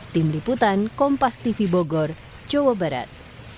tim liputan kompas tv bogor jawa barat